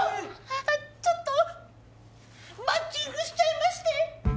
ちょっとマッチングしちゃいまして。